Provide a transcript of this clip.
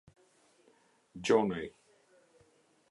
Gjonaj